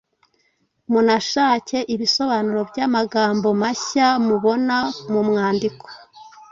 munashake ibisobanuro by’amagambo mashya mubona mu mwandiko,